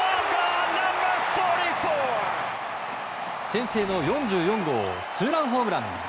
先制の４４号ツーランホームラン！